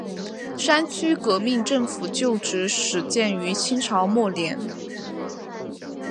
三区革命政府旧址始建于清朝末年。